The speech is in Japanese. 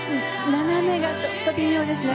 斜めがちょっと微妙でしたね。